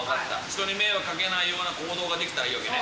人に迷惑をかけないような行動ができたらいいわけね。